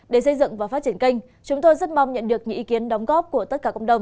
để xây dựng và phát triển kênh chúng tôi rất mong nhận được những ý kiến đóng góp của tất cả cộng đồng